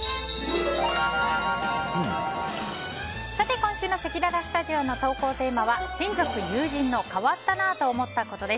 今週のせきららスタジオの投稿テーマは親族・友人の変わったなぁと思ったことです。